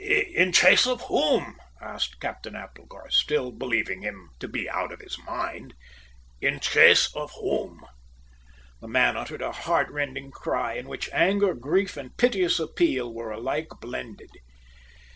"In chase of whom?" asked Captain Applegarth, still believing him to be out of his mind. "In chase of whom?" The man uttered a heart rending cry, in which anger, grief and piteous appeal were alike blended.